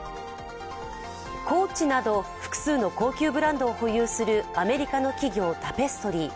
コーチなど、複数の高級ブランドを保有するアメリカの企業、タペストリー。